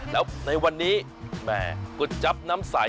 แล้วในวันนี้แหมก๋วยจับน้ำใส